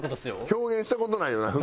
表現した事ないよな服。